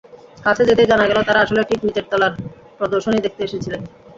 কাছে যেতেই জানা গেল, তাঁরা আসলে ঠিক নিচের তলার প্রদর্শনী দেখতে এসেছিলেন।